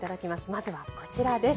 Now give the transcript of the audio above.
まずはこちらです。